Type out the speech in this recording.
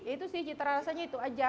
itu sih cita rasanya itu aja